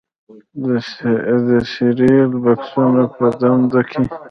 د سیریل بکسونو په دننه کې